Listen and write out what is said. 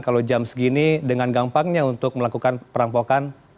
kalau jam segini dengan gampangnya untuk melakukan perampokan